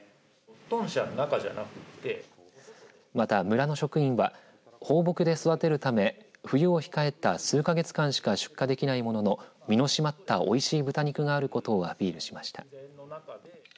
また、村の職員は放牧で育てるため冬を控えた数か月間しか出荷できないものの身の締まったおいしい豚肉があることをアピールしました。